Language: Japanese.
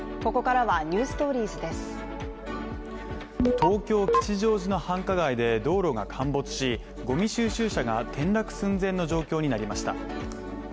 東京・吉祥寺の繁華街で道路が陥没しごみ収集車が転落寸前の状況になりました